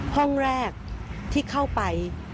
ห้องแรกที่เข้าไป